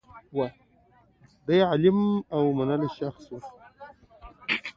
دی عالم او منلی شخص و.